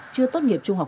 chưa tốt nghiệp trung học